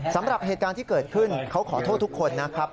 สำหรับเหตุการณ์ที่เกิดขึ้นเขาขอโทษทุกคนนะครับ